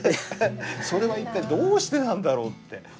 それは一体どうしてなんだろうって。